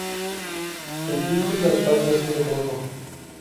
El pico y las patas son de color rojo.